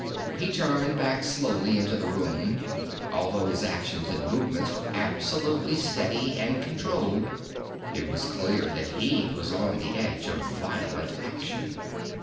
He turned back slowly into the room. Although his actions and movements were absolutely steady and controlled, it was clear that he was on the edge of violent action.